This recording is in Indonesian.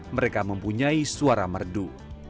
mereka mempunyai suara merdu